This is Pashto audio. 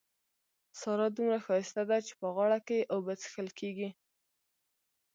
سارا دومره ښايسته ده چې په غاړه کې يې اوبه څښل کېږي.